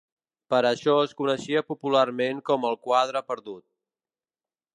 Per això es coneixia popularment com el quadre ‘perdut’.